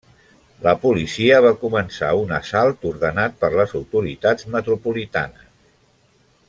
La policia va començar un assalt ordenat per les autoritats metropolitanes.